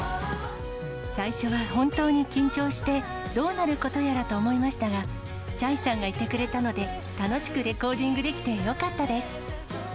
最初は本当に緊張して、どうなることやらと思いましたが、チャイさんがいてくれたので、楽しくレコーディングできてよかったです。